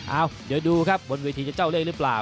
เอ้าเดี๋ยวดูครับบนเวทีจะเจ้าเลขหรือเปล่า